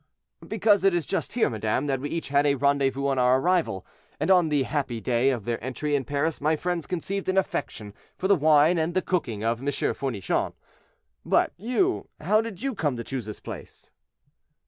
"Because it is just here, madame, that we each had a rendezvous on our arrival, and on the happy day of their entry in Paris my friends conceived an affection for the wine and the cooking of M. Fournichon. But you, how did you come to choose this place?"